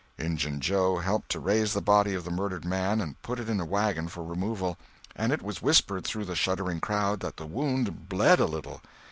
Injun Joe helped to raise the body of the murdered man and put it in a wagon for removal; and it was whispered through the shuddering crowd that the wound bled a little!